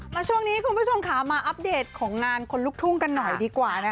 มาช่วงนี้คุณผู้ชมค่ะมาอัปเดตของงานคนลุกทุ่งกันหน่อยดีกว่านะคะ